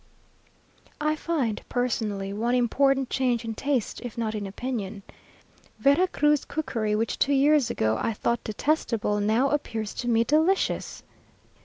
I find, personally, one important change in taste if not in opinion. Vera Cruz cookery, which two years ago I thought detestable, now appears to me delicious!